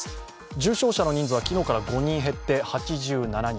重症者の人数は昨日から５人減って８７人。